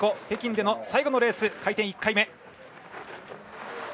北京での最後のレース回転１回目。